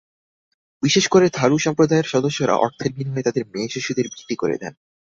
বিশেষ করে থারু সম্প্রদায়ের সদস্যরা অর্থের বিনিময়ে তাঁদের মেয়েশিশুদের বিক্রি করে দেন।